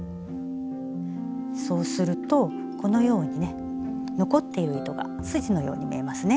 そうするとこのようにね残っている糸がすじのように見えますね。